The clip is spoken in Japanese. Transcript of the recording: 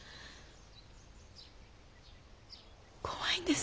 怖いんです。